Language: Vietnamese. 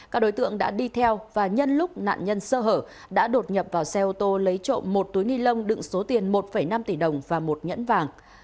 các đối tượng đã đi theo và nhân lúc nạn nhân sơ hở đã đột nhập vào xe ô tô lấy trộm một túi ni lông đựng số tiền một năm tỷ đồng và một nhẫn vàng